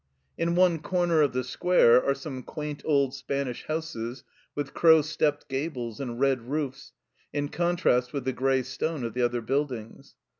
In one corner of the Square are some quaint old Spanish houses with crow stepped gables and red roofs, in contrast with the grey stone of the other buildings.